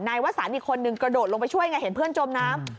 วสันอีกคนนึงกระโดดลงไปช่วยไงเห็นเพื่อนจมน้ำ